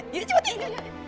cepet yuk yuk yuk